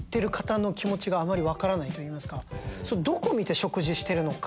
どこ見て食事してるのか。